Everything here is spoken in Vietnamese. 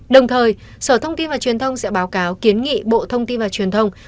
đồng thời sở thông tin và truyền thông sẽ báo cáo kiến nghị bộ thông tin và truyền thông